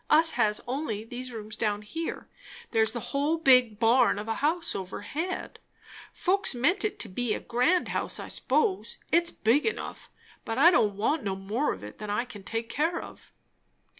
Us has only these rooms down here; there's the whole big barn of a house overhead. Folks meant it to be a grand house, I s'pose; it's big enough; but I don't want no more of it than I can take care of."